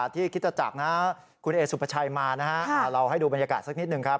ที่คิดจะจับกูแอสุประชายมานะเราให้ดูบรรยากาศสักนิดนึงครับ